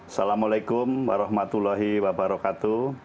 assalamualaikum warahmatullahi wabarakatuh